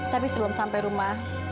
tapi sebelum sampai rumah